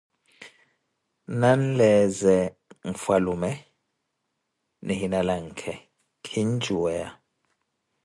Nanleeze mfwalume nihina lanke, kinjuweya.